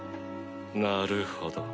なるほど。